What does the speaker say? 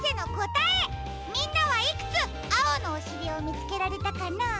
みんなはいくつあおのおしりをみつけられたかな？